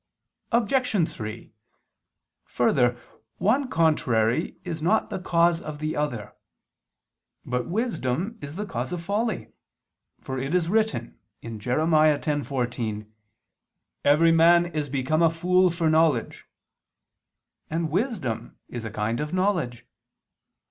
Obj. 3: Further, one contrary is not the cause of the other. But wisdom is the cause of folly; for it is written (Jer. 10:14): "Every man is become a fool for knowledge," and wisdom is a kind of knowledge.